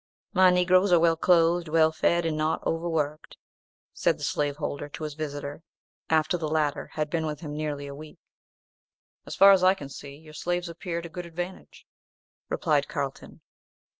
"My Negroes are well clothed, well fed, and not over worked," said the slaveholder to his visitor, after the latter had been with him nearly a week. "As far as I can see your slaves appear to good advantage," replied Carlton.